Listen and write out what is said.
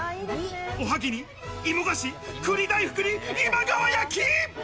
おはぎに芋菓子、栗大福に今川焼き！